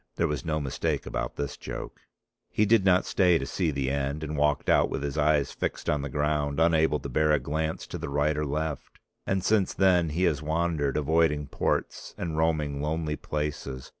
There was no mistake about this joke. He did not stay to see the end, and walked out with his eyes fixed on the ground, unable to bear a glance to the right or left. And since then he has wandered, avoiding ports and roaming lonely places.